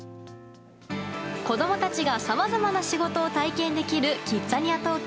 子供たちがさまざまな仕事を体験できるキッザニア東京。